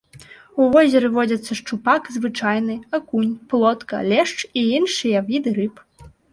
У возеры водзяцца шчупак звычайны, акунь, плотка, лешч і іншыя віды рыб.